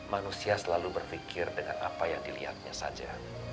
manusia selalu berpikir dengan apa yang dilihatnya saja